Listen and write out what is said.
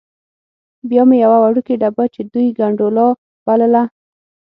بیا مې یوه وړوکې ډبه چې دوی ګنډولا بلله.